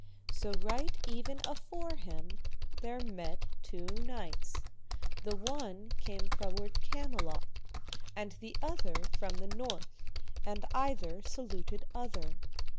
So right even afore him there met two knights, the one came froward Camelot, and the other from the north, and either saluted other.